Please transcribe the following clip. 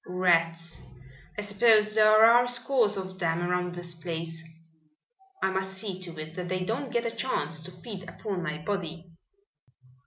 "Rats. I suppose there are scores of them around this place. I must see to it that they don't get a chance to feed upon my body!"